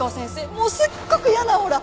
もうすっごく嫌なオーラ！